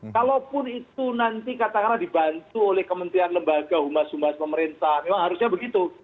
kalaupun itu nanti katakanlah dibantu oleh kementerian lembaga humas humas pemerintah memang harusnya begitu